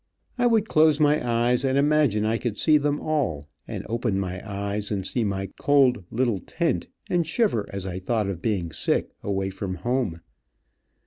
I would close my eyes and imagine I could see them all, and open my eyes and see my cold little tent and shiver as I thought of being sick away from home.